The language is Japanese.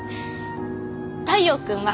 太陽君は。